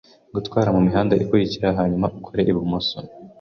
Gutwara mumihanda ikurikira hanyuma ukore ibumoso.